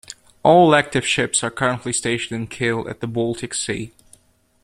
All active ships are currently stationed in Kiel at the Baltic Sea.